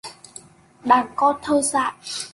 Đàn con thơ dại